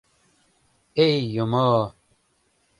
Эй, юмо!